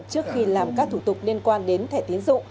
trước khi làm các thủ tục liên quan đến thẻ tiến dụng